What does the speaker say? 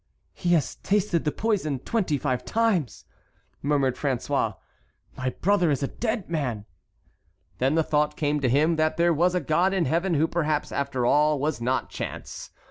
"He has tasted the poison twenty five times," murmured François; "my brother is a dead man!" Then the thought came to him that there was a God in heaven who perhaps after all was not chance.